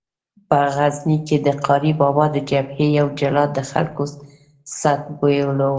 په غزني کې د قاري بابا د جبهې یو جلاد د خلکو څټ بویولو.